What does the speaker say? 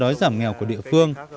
do đói giảm nghèo của địa phương